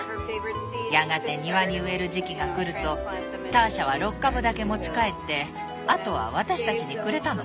やがて庭に植える時期がくるとターシャは６株だけ持ち帰ってあとは私たちにくれたの。